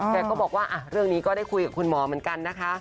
แกก็บอกว่าเรื่องนี้ก็ได้คุยกับคุณหมอเหมือนกันนะคะ